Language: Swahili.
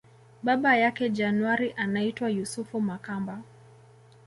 Baba yake January anaitwa Yusufu Makamba